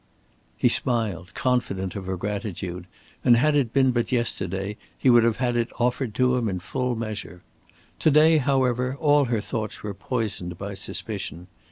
He smiled, confident of her gratitude, and had it been but yesterday he would have had it offered to him in full measure. To day, however, all her thoughts were poisoned by suspicion.